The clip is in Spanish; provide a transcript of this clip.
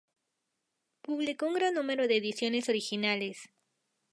Publicó un gran número de ediciones originales.